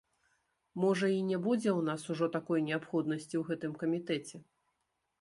Можа, і не будзе ў нас ўжо такой неабходнасці ў гэтым камітэце.